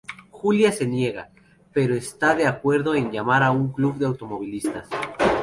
Julia se niega, pero está de acuerdo en llamar a un club de automovilistas.